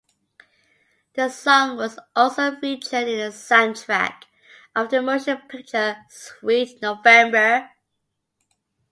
The song was also featured in the soundtrack of the motion picture "Sweet November".